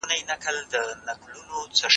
ما کور پاک کړی دی.